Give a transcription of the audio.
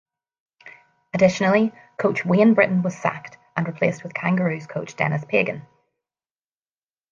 Additionally, coach Wayne Brittain was sacked, and replaced with Kangaroos coach Denis Pagan.